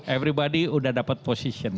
everybody sudah dapat position